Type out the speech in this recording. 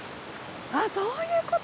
あっそういうこと？